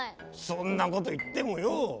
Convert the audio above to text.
そんなこと言ってもよう！